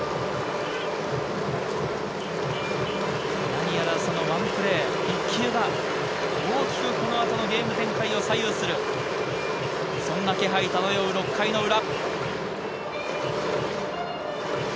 何やら１プレー、一球が大きくこのあとのゲーム展開を左右する、そんな気配漂う６回の裏。